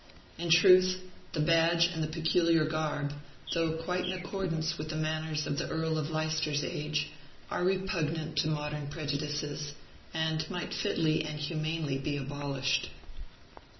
In truth, the badge and the peculiar garb, though quite in accordance with the manners of the Earl of Leicester's age, are repugnant to modern prejudices, and might fitly and humanely be abolished.